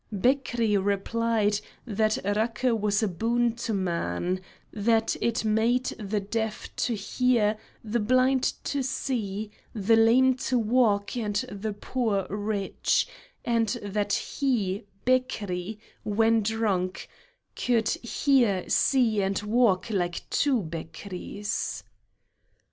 Bekri replied that raki was a boon to man; that it made the deaf to hear, the blind to see, the lame to walk, and the poor rich, and that he, Bekri, when drunk, could hear, see, and walk like two Bekris.